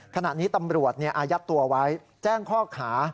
ขณะนี้ตำรวจอายัดตัวไว้แจ้งข้อหา